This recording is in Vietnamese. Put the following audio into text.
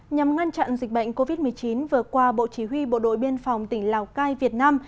nhằm ngăn chặn dịch bệnh covid một mươi chín vừa qua bộ chỉ huy bộ đội biên phòng tỉnh lào cai việt nam